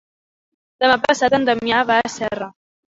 Demà passat en Damià va a Serra.